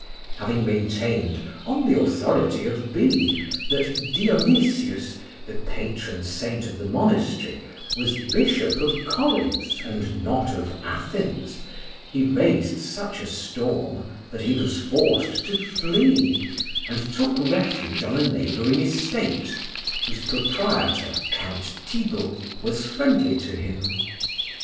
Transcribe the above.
Having maintained, on the authority of Beda, that Dionysius, the patron saint of the monastery, was bishop of Corinth and not of Athens, he raised such a storm that he was forced to flee, and took refuge on a neighboring estate, whose proprietor, Count Thibauld, was friendly to him.